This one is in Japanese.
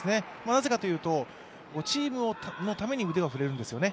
なぜかというと、チームのために腕が振れるんですよね。